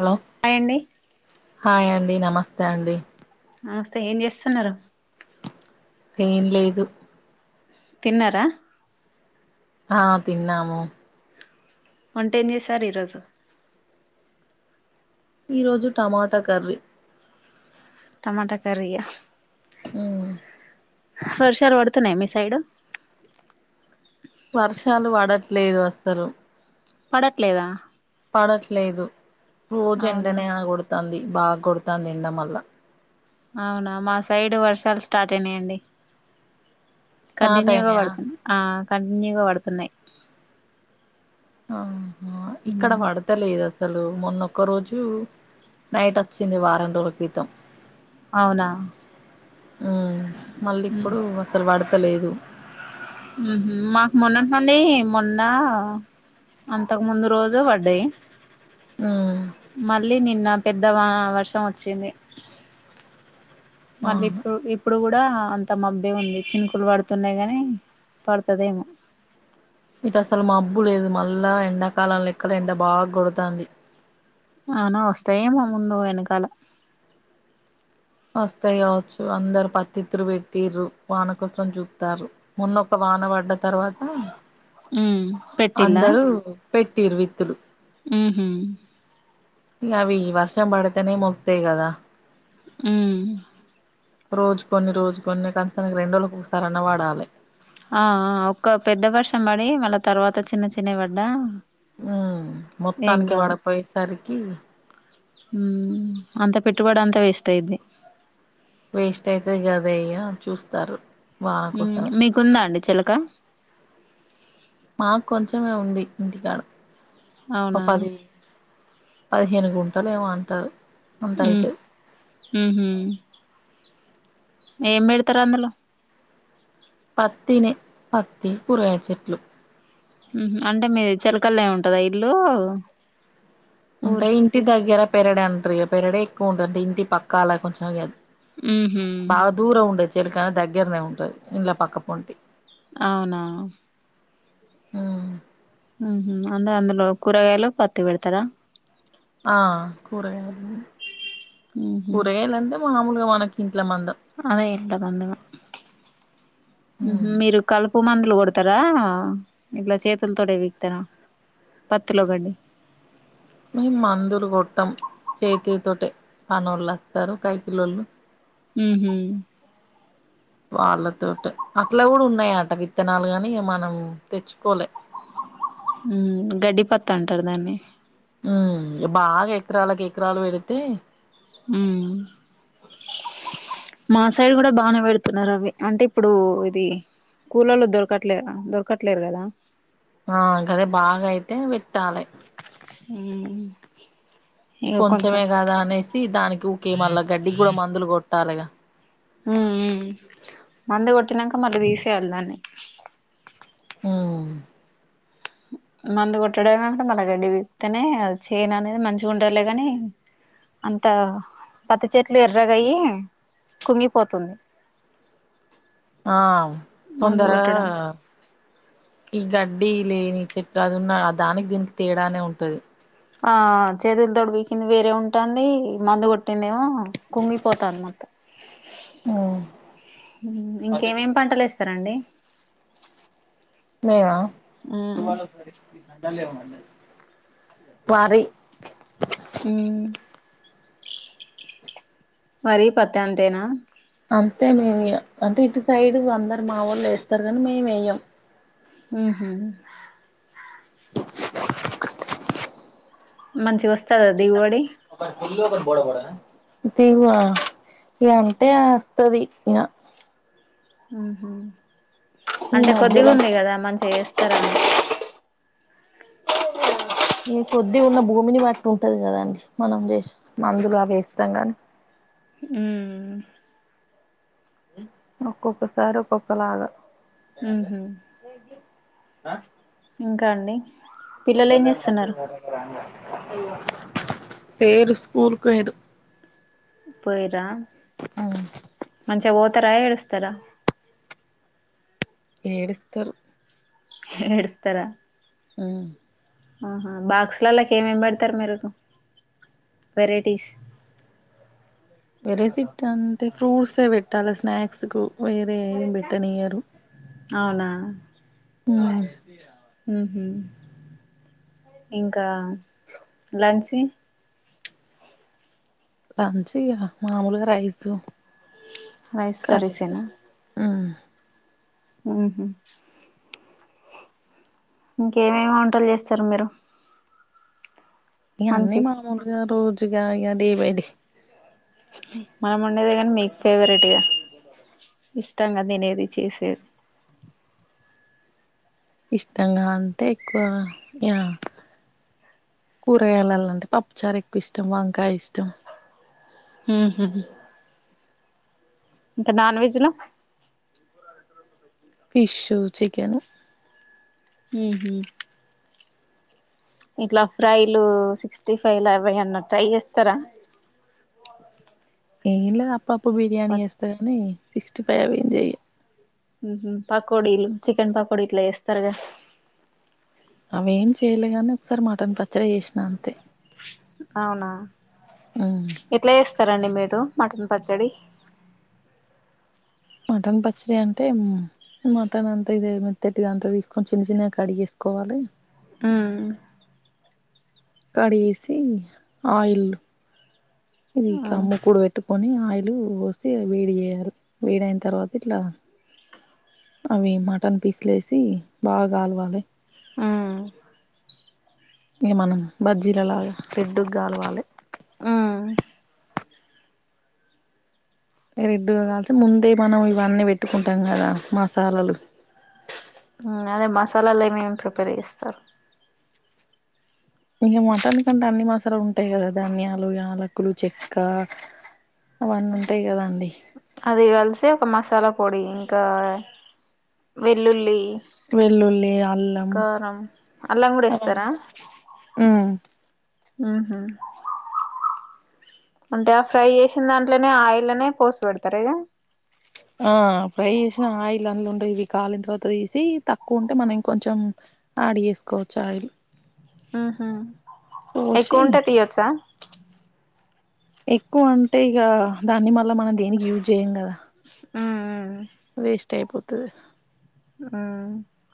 అలో అయండి హాయ్ అండి నమస్తే అండి నమస్తే ఏం చేస్తున్నారు ఏం లేదు తిన్నరా ఆ తిన్నాము వంటేం చేశారీరోజు ఈరోజు టమాటా కర్రీ టమాటా కర్రీ ఆ ఊ వర్షాలు పడుతున్నాయా మీ సైడు వర్షాలు బడట్లేదు అస్సలు పడట్లేదా పడట్లేదు రోజు అవునా ఎండనే గోడతంది బాగా గోడతంది ఎండ మల్ల అవునా మా సైడు వర్షాలు స్టార్ట్ అయినాయండి స్టార్ట్ కంటిన్యూగా అయినాయా పడుతున్నా ఆ కంటిన్యూగా పడుతున్నాయ్. ఆహా ఇక్కడ పడు ఉమ్, పడతలేదు అసలు మొన్నొక్క రోజు నైటోచ్చింది వారం రోల క్రితం అవునా ఉ ఉమ్, మళ్ళీప్పుడు అస్సలు పడతలేదు ఉహు మాకు మొన్నటి నుండి మొన్నా అంతకు ముందు రోజు వడ్డాయ్ మ్మ్ మళ్ళీ నిన్న పెద్ద వా వర్షం వచ్చింది. ఆ మళ్ళీ ఇప్పుడు ఇప్పుడు కూడా అంత మబ్ ఏఉంది చినుకులు పడుతున్నాయి గాని పడుతాదేమో ఇటు అసలు మబ్బు లేదు మల్ల ఎండాకాలం లెక్కల ఎండ బా గోడతంది. అవునా వస్తాయేమో ముందు వెనకాల వస్తాయి కావచ్చు అందరు పత్తితురు పెట్టిరు వాన కోసం చూత్తారూ మొన్న ఒక వాన పడ్డ తర్వాత ఉమ్ పెట్టిల్లా అందరూ పెట్టిరి విత్తులు. మ్ హూ ఇ అవి వర్షం పడితేనే మొక్తయ్ కదా. మ్ రోజుకొన్ని రోజుకొన్ని కనీసం రెండ్రోజులకి ఒకసారైనా వాడాలి. ఆ ఆ ఒక్క పెద్ద వర్షం పడి మళ్ళా తర్వాత చిన్న చిన్నవి పడ్డా ఉ ఏం మొత్తానికి కాదు పడపోయేసరికి మ్ అంత పెట్టుబడి అంతా వేస్ట్ అయిది. వేస్ట్ అయితది కదయ్యా చూస్తారు వాన ఉమ్ కోసరం. మీకుందా అండి చిలక మాకొంచమే ఉంది ఇంటికాడ. ఒక అవునా పది పదిహేను గుంటలు ఏమో అంటారు ముందయితే. మ్ హూ ఏం పెడతరు అందులో పత్తి నే పత్తి కూరగాయల చెట్లు అంటే మీది చెలకల్లే ఉంటదా ఇల్లు అంటే ఊరు ఇంటి దగ్గర పెరడ అంటారు పెరడ ఎక్కువ ఉంటుంది ఇంటి పక్క అలా కొంచెం మ్ హూ బాగా దూరం ఉండే చెలిక దగ్గరనే ఉంటది ఇండ్ల పక్క పొంటి అవునా మ్ మ్ హూ అంద అందులో కూరగాయలు పత్తి పెడతారా. ఆ కూరగాయలు ఉహు కూరగాయలంటే మామూలుగా మనకి ఇంట్ల మందం అదే ఎంత మందిమొ మ్ హూ మీరు కలుపు మందులు కొడతారా ఇట్ల చేతులతోటే పీకుతరా. పత్తిలోకండి మేము మందులు కొట్టం చేతి తోట పనోళ్ళు వస్తారు కైకిలళ్ళు మ్ హూ వాళ్ళ తోటే అట్లా కూడా ఉన్నాయాట విత్తనాలు కాని మనం తెచ్చుకోలే మ్ గడ్డి పతంటారు దాన్ని మ్ బాగా ఎకరాలకు ఎకరాలు పెరిగితే మ్ మా సైడ్ కూడా బానే పెడుతున్నారు అవి అంటే ఇప్పుడు ఇది కూలోల్లు దొరకట్లే దొరకట్లేరు కదా ఆ గదే బాగైతే పెట్టాలి మ్ కొంచమే కదా అనేసి దానికి ఊకే మల్లా గడ్డికి కూడా మందులు కొట్టాలిగా మ్ మందు కొట్టినాక మళ్ళీ తీసేయాలి దాన్ని మ్ మందు కొట్టడమే మల్ల గడ్డి విపితేనే అది చేను అనేది మంచిగా ఉంటారులే కాని అంత పత్తి చెట్లు ఎర్రగా అయి కుంగిపోతుంది ఆ మందు తొందర కొట్టడం ఈ గడ్డి లేని చెట్ అదున్న దానికి దీనికి తేడానే ఉంటది ఆ చేతుల తోడు పీకింది వేరే ఉంటాంది మందు కొట్టిందేమో కుంగిపోతాంది మొత్తం ఉమ్ ఇంకేమేమి, పంటలు, ఎస్తారండి. మేమ, మ్మ్ వరి, వరి, పత్తి, అంతేనా అంతే, మేము, అంటే, ఇటు సైడ్ అందరు మా వాళ్ళు వేస్తారు. కానీ మేము వేయం ఉ మంచిగా వస్తుందా దిగుబడి దిగు, ఇ అంతే వస్తుది. ఇక ఉహ ఈ అంటే మధ్యలో కొద్దిఉంది కదా మంచిగా చేస్తారా అని ఈ కొద్దిీ ఉన్న భూమిని బట్టి ఉంటది. కదా అండి మనం జస్ట్ మందులు అవి వేస్తాం. గాని ఉ ఒక్కక్క సారి ఒక్కొక లాగా ఉహ ఇంకా అండి పిల్లలు ఏం చేస్తున్నారు లేరు, స్కూల్ కు పోయిరు పోయిర్రా అ మంచిగా పోతారా ఏడుస్తారా ఏడుస్తారు ఎడ్స్తస్తారా ఆ ఆహా, బాక్స్ లాలాకీ ఏమేం పే. మీరు వెరైటీస్ వెరైటీ అంటే ఫ్రూట్సే పెట్టాలి. స్నాక్స్ కు వేరే ఏం పెట్టనియ్యరు అవునా ఉ అవ ఇంకా, లంచ్ లంచ్ ఇక మామూలుగా రైస్ రైస్ కర్రీస్ కర్రీసేనా ఆ ఉహ ఇంకేమేమి, వంటలు, చేస్తారు, మీరు, ఇ అన్నీ మంచి మముూలుగా రోజుగా ఇక డే బై డే మనం, ఉండేదే, కానీ, మీకు, ఫేవరెట్గా, ఇష్టంగా నేనేది చేసేది ఇష్టంగా, అంటే, ఎక్కువ, కూరగాయలలంటే, పప్పుచారు, ఎక్కువ, ఇష్టం. వంకాయ, ఇష్టం. ఇంకా, నాన్వెజ్ లో ఫిష్, చికెన్, హ ఇంట్లా, ఫ్రైలు, సిక్స్టీ, ఫైవ్, ఏవైనా ట్రై, చేస్తారా, ఏం, లేదు, అప్పుప్పు బిర్యానీ ప చేేస్తా, కాని సిక్స్టీ ఫైవ్, అవి, ఏం, చెయ్య పకోడీలు, చికెన్ పకోడ, ఇట్లా, వేస్తారుగా, అవన్నీ, ఏం, చేయలేగాని, ఒకసారి, మటన్, పచ్చడి, చేసిన, అంతే, అవునా, ఆ ఎట్లా చేస్తరండి మీరు మటన్ పచ్చడి. మటన్ పచ్చడీ అంటే ఉం మటన్ అంతా ఇదే మెత్తటిది అంతా తీసుకొని చిన్న చిన్నగా కడిగేసుకోవాలి. ఆ కడిగేసీ ఆయిలు ఇది ఉమ్ కమ్ము కూడు పెట్టు కొనీ ఆయిలూ పోసీ వేడి జేయాలి వేడి అయిన్ తర్వాత ఇట్లా. అవీ మటన్ పీస్లేసీ బాగా గాల్వాలే ఆ ఇగ మనం బజ్జీల లాగా రెడ్డుగ గాల్వాలే. ఆ ఇగ రెడ్డుగా కాల్చి ముందే మనం ఇవన్నీ పెట్టుకుంటాం కదా మసాలలు. ఇంగ అదే మసాలాలు ఏమేమి ప్రిపేర్ చేస్తరు. ఇగ మటన్ కంటే అన్ని మసాలాలు ఉంటయి గదా ధనియాలు, యాలకులు, చెక్కా. అవన్నీ ఉంటయి గదా అండి. అది కల్సే ఒక మసాలా పొడీ ఇంకా వెల్లుల్లీ. వెల్లుల్లీ, అల్లం కారం, అల్లం గూడా ఏస్తరా. అవన్నీ ఉమ్ ఊహు అంటే ఆ ఫ్రై చేసిన్ దాంట్లోనే ఆయిల్లనే పోసి పెడతరా ఇగా. ఆ ఫ్రై చేశిన ఆయిల్ అందులు ఉండయి ఇవి కాలిన్ తర్వాత తీశీ తక్కువ ఉంటే మనం ఇంకొంచెం. ఆడ్ చేసుకోవచ్చు ఆయిల్ ఆహా పోశీ ఎక్కువ అంటే ఇగా దాన్ని మళ్ళ మనం దేనికి యూజ్ జేయం గదా. ఊఊహ్మ వేస్ట్ అయిపోతది ఊ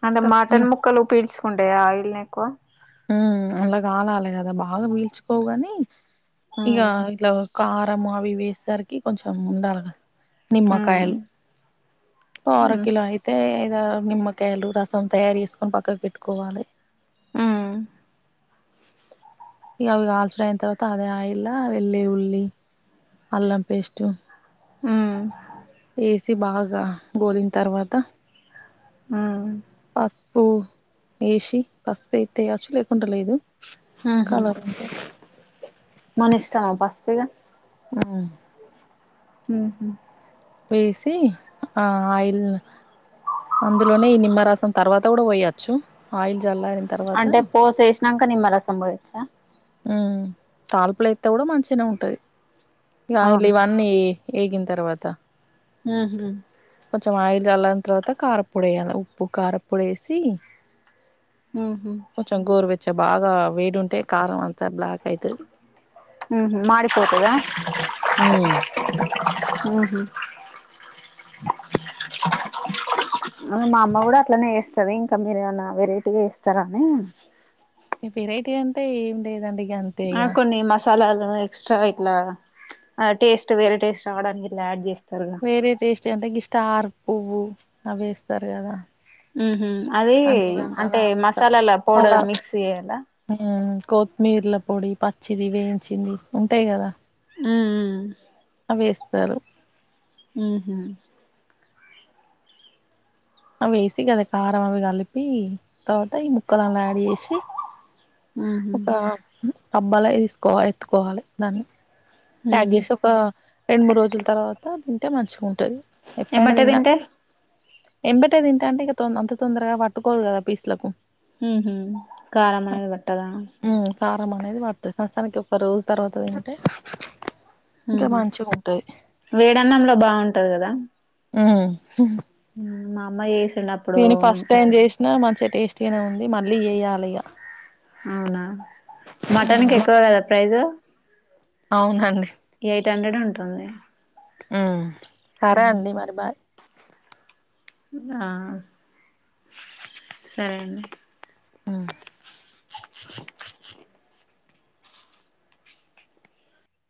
అంటే కప్ని మటన్ ముక్కలు పీల్చుకుంటయా ఆయిల్ని ఎక్కువా. ఊ అళ్ళ కాలాలే గదా బాగా పీల్చుకోవుగానీ ఇగా మ్మ్ ఇట్లా. కారము అవి ఇవి ఏసేసరికి కొంచెం ఉండాలె గదా. నిమ్మకాయలు మ్మ్ ఓ అర కిలో అయితే ఇదా నిమ్మకాయలు రసం తయారు చేసుకొని పక్కకు పెట్టుకోవాలే. ఊ ఇగా అవి కాల్చుడు అయిన్ తర్వాతా అదే ఆయిల్లా వెల్లీ, ఉల్లి, అల్లం పేస్టు. హ్ము ఏశీ బాగా గోలిన్ తర్వాతా మ్మ్ ఫస్ పూ ఏశి పసుపు ఏత్తే ఎయ్యొచ్చు లేకుంటే లేదు. ఆహా కలర్ ఉంటే మనిష్ట మా పసుపు ఇగా హ్ము ఊహు వేసీ ఆ ఆయిల్ల్ అందులోనే ఈ నిమ్మరసం తర్వాత గూడా పొయొచ్చు ఆయిల్ జల్లారిం అంటే పోశు ఏశినంక నిమ్మరసం పొయ్యొచ్చా. ఊ తాళిప్పులేత్తే గూడా మంచిగనే ఉంటది. ఇగా ఆయిల్ల అవును ఇవన్నీ ఏగిన్ తర్వాతా ఆహ్ హా కొంచెం ఆయిల్ జాలరిన్ తర్వాత కారపొడి ఏయాలా ఉప్పు కారపొడి ఏసి. ముహో కొంచెం గోరు వచ్చ బాగా వేడి ఉంటే కారం అంతా బ్లాక్ అయితది ఉహుహ్ మడిపోతదా ఉమ్ ఉహుహ్ మా అమ్మ గూడా అట్లనే ఏస్తది, ఇంకా మీరేమనా వెరైటీగా ఏస్తారా అని. హే వెరైటీ అంటే ఏం లేదండి ఇగాన్ ఆ కొన్ని మస్ సలాలు ఎక్స్ట్రా ఇట్లా టేస్ట్ వేరే టేస్ట్ రావడానికి ఇట్లా యాడ్ జేస్తారుగా. వేరే టేస్ట్ అంటే గీ స్టార్ పువ్వు అవేస్తారు గదా. ఉహుహ్ అది అంటే మసాలాల పౌడర్ మిక్స్ ఏయ్యాలా. ఆహా కొత్తిమీరల పొడి పచ్చిది వేయించింది ఉంటాయి గదా. ఉహుహ్ అవేస్తారు ఉహుహ్ అవి ఏసి గదా కారం అవి కలిపి తర్వాత ఈ ముక్కల్ అలా యాడ్ యేషి ఒక ఉహు అబ్బాల ఇసుకో ఎత్తుకోవా ఎత్తుకొవాలీ దాన్ని ప్యాగే జేసే ఒక రెండు మూడు రోజుల తర్వాత తింటే మంచిగుంటది. ఏపైడా ఎమ్మటే దిన్నా తింటే అంటే కొంచెం ఏబాటే తింటా అంటే ఇగా తోన్ అంత తొందరగా వట్టుకోదు గదా పీసులకు ఉహుహ్ కారం అనేది వట్టదా. ఉ కారం అనేది వటాద్ కాస్తతానికి ఒక రోజు తర్వాత తింటే. ఇంకా ఉహుహ్ మంచిగా ఉంటది వేడన్నంలో బావుంటది గదా. ఉహు్ హుహ్ ఉహ్మ్ మామ్మ ఏసుడ్ నాత్ ఇగా నే ఫస్ట్ టైం జేచన మంచిగా టేస్టీగానే ఉంది మళ్ళీ ఏయాలి ఇయా. అవునా మటన్ కి ఎక్కువ కదా ప్రైజు అవునండి ఎయిట్ హండ్రెడ్ ఉంటుంది. ఉహ్ సరే అండి మరి బాయ్. దస్ సరే అండి. ఆహ్